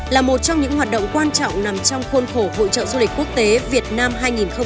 là một trong những hoạt động quan trọng nằm trong khuôn khổ hội trợ du lịch quốc tế việt nam hai nghìn hai mươi bốn